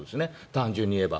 単純に言えば。